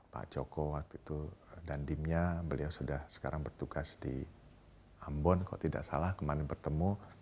pak joko waktu itu dan dimnya beliau sudah sekarang bertugas di ambon kalau tidak salah kemarin bertemu